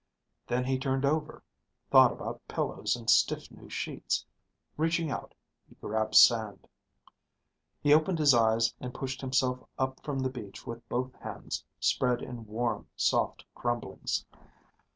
Then he turned over, thought about pillows and stiff new sheets. Reaching out, he grabbed sand. He opened his eyes and pushed himself up from the beach with both hands spread in warm, soft crumblings.